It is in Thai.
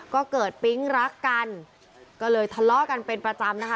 ก็เกิดปิ๊งรักกันก็เลยทะเลาะกันเป็นประจำนะคะ